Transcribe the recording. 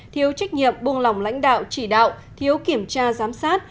thiếu trách nhiệm buông lỏng lãnh đạo chỉ đạo thiếu kiểm tra giám sát